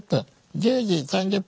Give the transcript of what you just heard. １０時３０分！